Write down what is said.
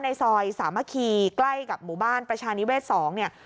ในซอยสามัคคีใกล้กับหมู่บ้านประชานิเวศ๒เนี่ย